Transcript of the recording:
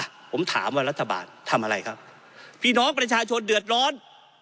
ผมถามว่ารัฐบาลทำอะไรครับพี่น้องประชาชนเดือดร้อน